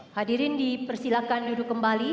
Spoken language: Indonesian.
hadirin di persilakan duduk kembali